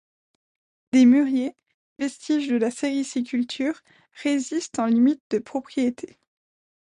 Des muriers, vestiges de la sériciculture, résistent en limite de propriété.